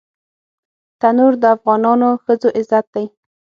تنور د افغانو ښځو عزت دی